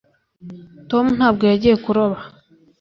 tom ntabwo yagiye kuroba